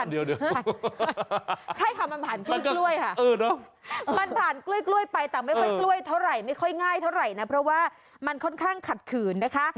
ใช่ค่ะมันผ่านกล้วยค่ะมันผ่านกล้วยไปแต่ไม่ค่อยกล้วยเท่าไหร่ไม่ค่อยง่ายเท่าไหร่นะเพราะว่ามันค่อนข้างขัดขืนนะคะ